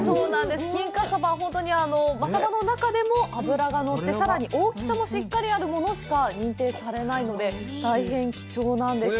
金華サバは真サバの中でも脂が乗って、さらに大きさもしっかりあるものしか認定されないので、大変貴重なんです。